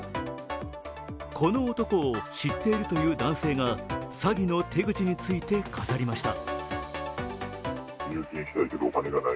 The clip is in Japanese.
この男を知っているという男性が詐欺の手口について語りました。